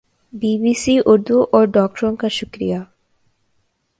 ی B C Urdu اور ڈاکٹروں کا شکری